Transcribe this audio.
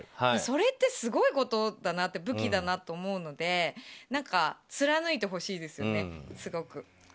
それってすごいことだなって武器だなと思うので貫いてほしいですね、すごく。